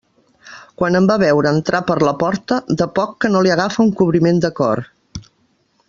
Quan em va veure entrar per la porta de poc que no li agafa un cobriment de cor.